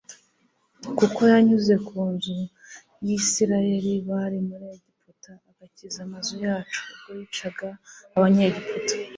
kuko yanyuze ku nzu y'Isirayeli bari mu Egiputa agakiza amazu yacu ubwo yicaga Abanyegiputa.»